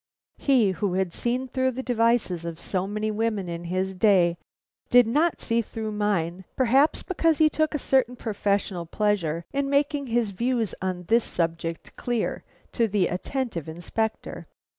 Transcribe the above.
He who had seen through the devices of so many women in his day did not see through mine, perhaps because he took a certain professional pleasure in making his views on this subject clear to the attentive Inspector.